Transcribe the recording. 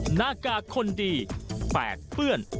หน้ากากคนดีแปดเปื้อน